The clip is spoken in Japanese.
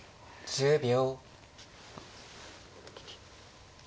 １０秒。